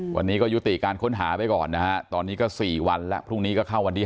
วันนี้ก็ยุติการค้นหาไปก่อนนะฮะตอนนี้ก็๔วันแล้วพรุ่งนี้ก็เข้าวันที่๒